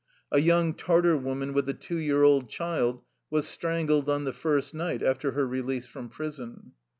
A young Tartar woman with a two year old child was strangled on the first night after her release from prison.